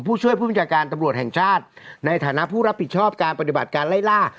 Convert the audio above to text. ผู้ช่วยผู้บัญชาการตำรวจแห่งชาติในฐานะผู้รับผิดชอบการปฏิบัติการไล่ล่า